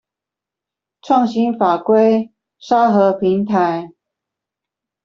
創新法規沙盒平台